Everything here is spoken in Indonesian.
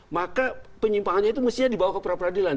maka penyimpangannya itu mestinya dibawa ke peradilan